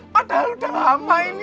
padahal udah lama ini